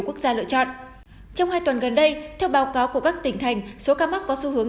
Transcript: quốc gia lựa chọn trong hai tuần gần đây theo báo cáo của các tỉnh thành số ca mắc có xu hướng